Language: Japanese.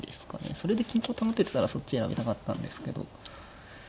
それで均衡保ててたらそっちやりたかったんですけど。